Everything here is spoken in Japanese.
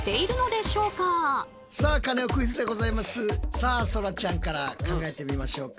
さあそらちゃんから考えてみましょうか。